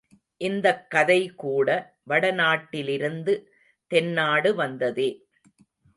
இந்தக் கதை கூட வடநாட்டிலிருந்து தென்னாடு வந்ததே.